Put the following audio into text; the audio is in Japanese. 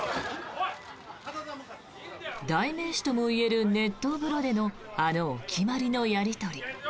代名詞ともいえる熱湯風呂でのあのお決まりのやり取り。